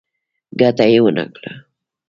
ګټه یې ونه کړه.